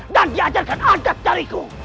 dan diajarkan adat dariku